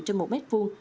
trên một mét vuông